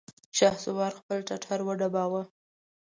شهسوار خپل ټټر وډباوه!